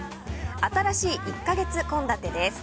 あたらしい１か月献立です。